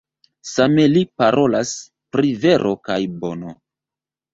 Same li parolas pri vero kaj bono.